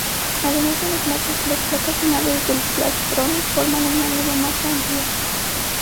Además en los machos las placas anales del plastrón forman un ángulo más amplio.